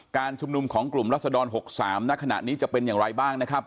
การชุมนุมของกลุ่มรัศดร๖๓ณขณะนี้จะเป็นอย่างไรบ้างนะครับ